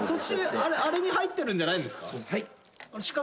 四角いあれに入ってるんじゃないですか？